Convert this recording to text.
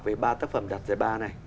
về ba tác phẩm đạt giải ba này